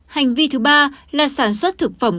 hành vi thứ ba là sản xuất thực phẩm